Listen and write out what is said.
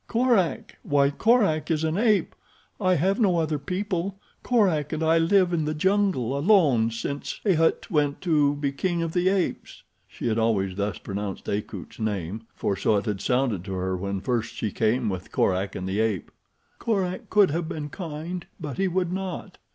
"Korak! Why Korak is an ape. I have no other people. Korak and I live in the jungle alone since A'ht went to be king of the apes." She had always thus pronounced Akut's name, for so it had sounded to her when first she came with Korak and the ape. "Korak could have been kind, but he would not."